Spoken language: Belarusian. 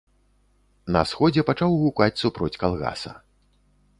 На сходзе пачаў гукаць супроць калгаса.